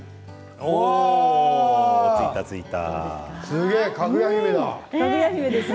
すごい、かぐや姫だ。